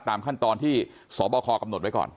ตามขั้นตอนที่สบคกำหนดไว้ก่อน